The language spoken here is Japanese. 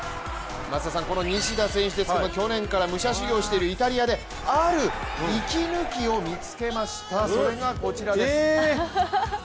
この西田選手ですけれども去年から武者修行しているイタリアである息抜きを見つけましたそれが、こちらです。